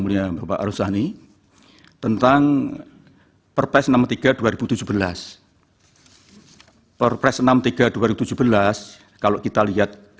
mulia bapak harus sani tentang perpres nama tiga dua ribu tujuh belas perpres nama tiga dua ribu tujuh belas kalau kita lihat